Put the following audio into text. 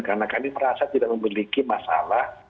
karena kami merasa tidak memiliki masalah